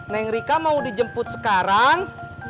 neng rika mau dijemput sekarang